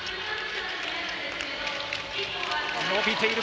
伸びている。